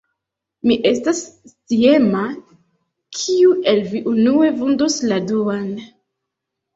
Mi estas sciema, kiu el vi unue vundos la duan!